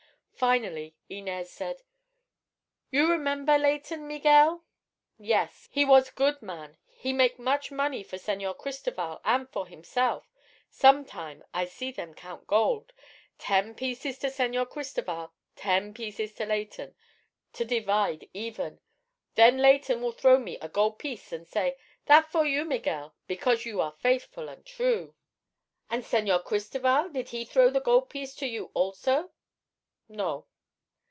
Finally Inez said: "You remember Leighton, Miguel?" "Yes. He was good man. He make much money for Señor Cristoval an' for heemself. Sometime I see them count gold—ten pieces to Señor Cristoval, ten pieces to Leighton—to divide even. Then Leighton will throw me a gold piece an' say: 'That for you, Miguel, because you are faithful an' true.'" "An' Señor Cristoval, did he throw the gold piece to you, also?" "No."